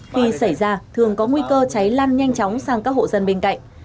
khi xảy ra thường có nguy cơ cháy lan nhanh chóng sang các hộ dân bên cạnh